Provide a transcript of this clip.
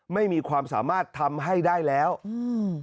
ไม่มีความสามารถทำให้ได้แล้วอืม